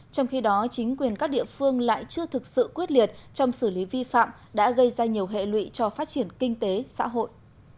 trong khi đó chính quyền các địa phương lại chưa thực sự quyết liệt trong xử lý vi phạm đã gây ra nhiều hệ lụy cho phát triển kinh tế xã hội